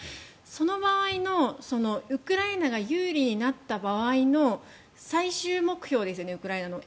その場合のウクライナが有利になった場合の最終目標ですよねウクライナの。